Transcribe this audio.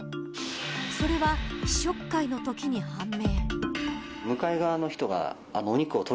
それは、試食会のときに判明。